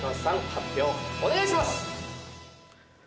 発表お願いします。